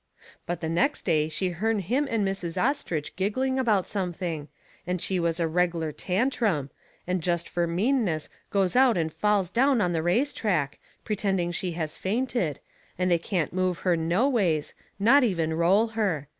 But the next day she hearn him and Mrs. Ostrich giggling about something, and she has a reg'lar tantrum, and jest fur meanness goes out and falls down on the race track, pertending she has fainted, and they can't move her no ways, not even roll her.